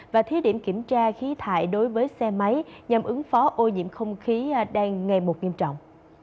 và thí điểm kiểm tra khí thải đối với xe máy nhằm ứng phó ô nhiễm không khí đang ngày một nghiêm trọng